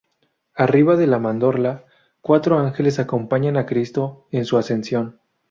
Arriba de la mandorla, cuatro ángeles acompañan a Cristo en su ascensión.